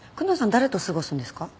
誰と過ごすんですか？